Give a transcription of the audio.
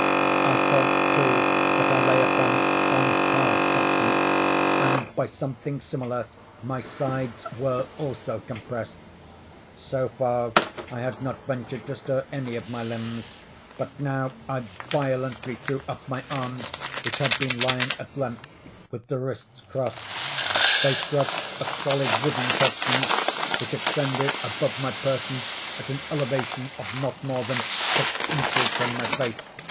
I felt, too, that I lay upon some hard substance; and by something similar my sides were, also, closely compressed. So far, I had not ventured to stir any of my limbs—but now I violently threw up my arms, which had been lying at length, with the wrists crossed. They struck a solid wooden substance, which extended above my person at an elevation of not more than six inches from my face.